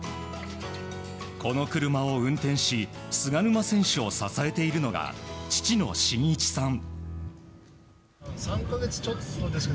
この車を運転し菅沼選手を支えているのが父の真一さん。